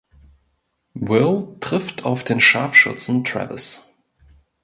Will trifft auf den Scharfschützen Travis.